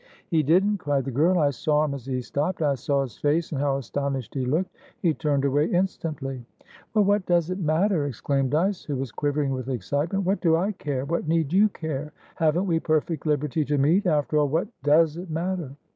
"He didn't!" cried the girl. "I saw him as he stopped. I saw his face, and how astonished he looked. He turned away instantly." "Well, what does it matter?" exclaimed Dyce, who was quivering with excitement. "What do I care? What need you care? Haven't we perfect liberty to meet? After all, what does it matter?"